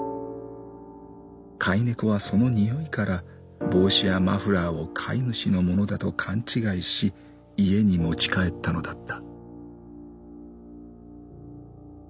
飼い猫はその匂いから帽子やマフラーを飼い主のものだと勘違いし家に持ち帰ったのだった」。